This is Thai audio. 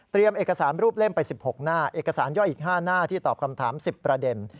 เอกสารรูปเล่มไป๑๖หน้าเอกสารย่อยอีก๕หน้าที่ตอบคำถาม๑๐ประเด็น